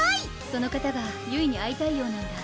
その方がゆいに会いたいようなんだ